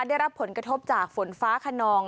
ได้รับผลกระทบจากฝนฟ้าขนอง